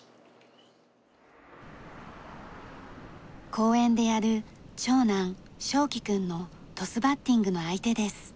公園でやる長男翔生くんのトスバッティングの相手です。